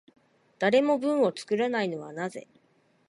誰も文を作らないのはなぜ？